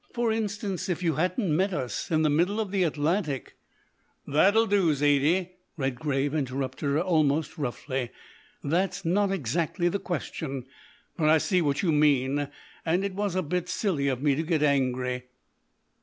For instance, if you hadn't met us in the middle of the Atlantic " "That'll do, Zaidie," Redgrave interrupted almost roughly. "That's not exactly the question, but I see what you mean, and it was a bit silly of me to get angry."